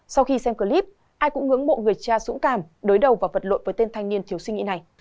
sau khi xem clip ai cũng ngưỡng mộ người cha dũng cảm đối đầu và vật lộn với tên thanh niên thiếu suy nghĩ này